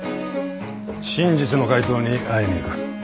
真実の怪盗に会いに行く。